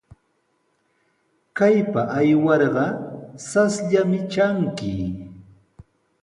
Kaypa aywarqa rasllami tranki.